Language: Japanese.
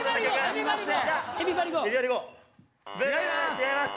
違います。